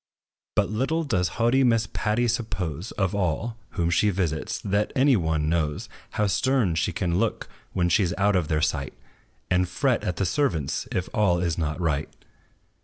But little does haughty Miss Patty suppose, Of all, whom she visits, that any one knows How stern she can look, when she 's out of their sight, And fret at the servants, if all is not right.